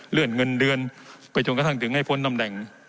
เลื่อนเงินเดือนไปจนกระทั่งถึงให้พ้นตำแหน่ง